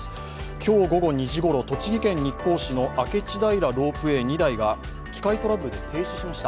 今日午後２時ごろ、栃木県日光市の明智平ロープウェイ２台が機械トラブルで停止しました。